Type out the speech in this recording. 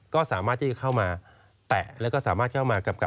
ก็จะเข้ามาแปะ